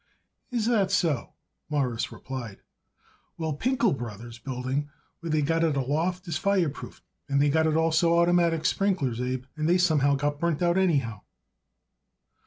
"Is that so?" Morris replied. "Well, Pinkel Brothers' building where they got it a loft is fireproof, and they got it also oitermatic sprinklers, Abe, and they somehow get burned out anyhow."